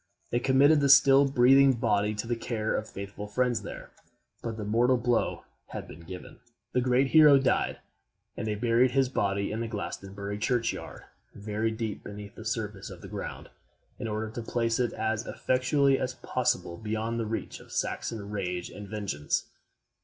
They committed the still breathing body to the care of faithful friends there; but the mortal blow had been given. The great hero died, and they buried his body in the Glastonbury churchyard, very deep beneath the surface of the ground, in order to place it as effectually as possible beyond the reach of Saxon rage and vengeance.